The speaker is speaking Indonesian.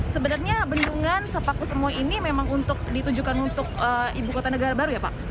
sebenarnya bendungan sepaku semoy ini memang ditunjukkan untuk ibu kota negara baru ya pak